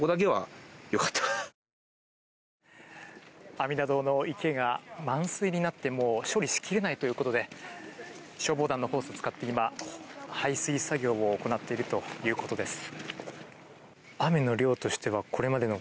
阿弥陀堂の池が満水になってもう処理しきれないということで消防団のホースを使って排水作業を行っているということです。